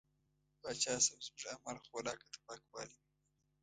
پاچا صاحب زموږ اعمال خو ولاکه د پاکوالي وي.